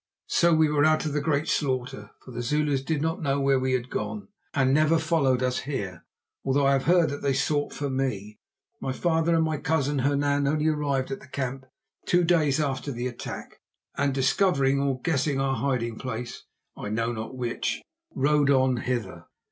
So we were out of the great slaughter, for the Zulus did not know where we had gone, and never followed us here, although I have heard that they sought for me. My father and my cousin Hernan only arrived at the camp two days after the attack, and discovering or guessing our hiding place—I know not which—rode on hither.